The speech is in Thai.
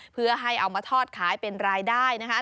เพื่อให้เอามาทอดขายเป็นรายได้นะคะ